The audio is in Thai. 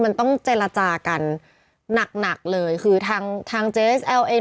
ทำงานครบ๒๐ปีได้เงินชดเฉยเลิกจ้างไม่น้อยกว่า๔๐๐วัน